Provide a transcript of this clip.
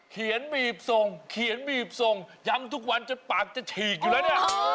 เขียนบีบทรงเขียนบีบทรงย้ำทุกวันปากจะฉีกอยู่แล้ว